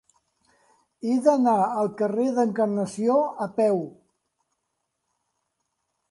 He d'anar al carrer de l'Encarnació a peu.